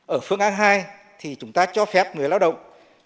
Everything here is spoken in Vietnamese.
ở phương án hai thì chúng ta cho phép người lao động